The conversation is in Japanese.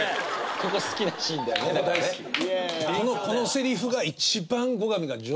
ここ好きなシーンだよねだからね